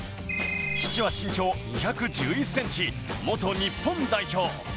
父は身長２１１センチ、元日本代表。